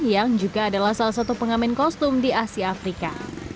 yang juga adalah salah satu pengamen kostum di asia afrika